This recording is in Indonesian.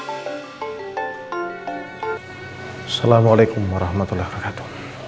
assalamualaikum warahmatullah wabarakatuh